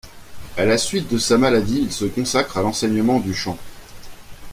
À la suite de sa maladie, il se consacre à l'enseignement du chant.